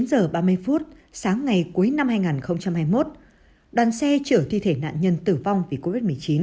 tám giờ ba mươi phút sáng ngày cuối năm hai nghìn hai mươi một đoàn xe chở thi thể nạn nhân tử vong vì covid một mươi chín